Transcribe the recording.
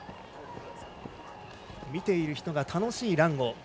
見ている人が楽しいランを。